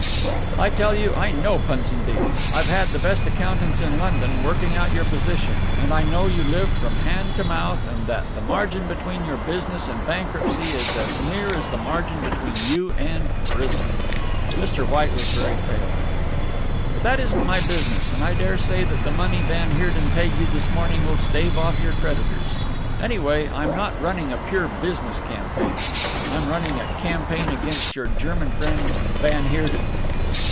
"I tell you I know Punsonby's I've had the best accountants in London working out your position, and I know you live from hand to mouth and that the margin between your business and bankruptcy is as near as the margin between you and prison." Mr. White was very pale. "But that isn't my business and I dare say that the money van Heerden paid you this morning will stave off your creditors. Anyway, I'm not running a Pure Business Campaign. I'm running a campaign against your German friend van Heerden."